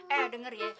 eh denger ya